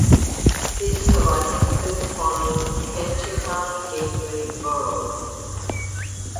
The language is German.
Sie ist Verwaltungssitz von Ketchikan Gateway Borough.